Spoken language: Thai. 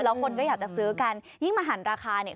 แล้วคนก็อยากจะซื้อกันยิ่งมาหันราคาเนี่ย